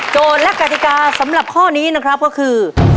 และกติกาสำหรับข้อนี้นะครับก็คือ